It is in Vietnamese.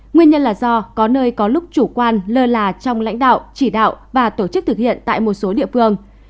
nguyên nhân là do có nơi có lúc chủ quan lơ là trong lãnh đạo chỉ đạo và tổ chức thực hiện tại một số địa phương